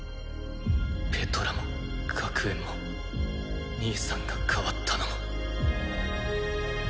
ペトラも学園も兄さんが変わったのも。